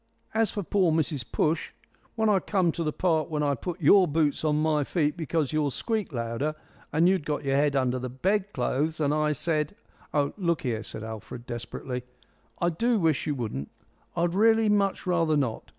As for pore Mrs Push, when I come to the part when I put your boots on my feet because yours squeaked louder, and you'd got your head under the bed clothes, and I said " "Oh, look here," said Alfred, desperately, "I do wish you wouldn't. I'd really much rather not.